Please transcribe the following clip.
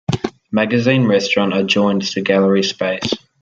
The Magazine Restaurant adjoins the gallery space.